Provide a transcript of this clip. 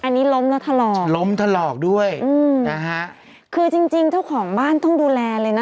อันนี้ล้มแล้วถลอกด้วยนะฮะคือจริงเท่าของบ้านต้องดูแลเลยนะ